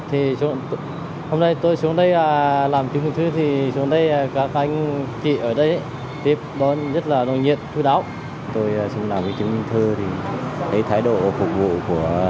thể nói là tôi thấy là so với mấy năm trước